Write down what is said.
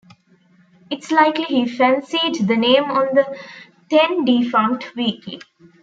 It's likely he fancied the name of the then-defunct weekly.